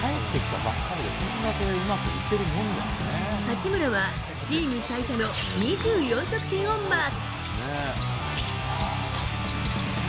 八村はチーム最多の２４得点をマーク。